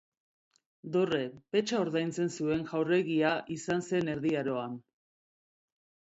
Dorre, petxa ordaintzen zuen jaurerria izan zen Erdi Aroan.